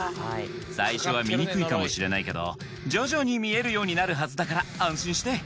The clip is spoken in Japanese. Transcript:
最初は見にくいかもしれないけど徐々に見えるようになるはずだから安心して。